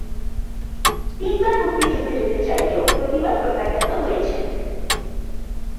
তিনবার মুক্তিযুদ্ধে যেতে চাইলেও প্রতিবার প্রত্যাখ্যাত হয়েছেন।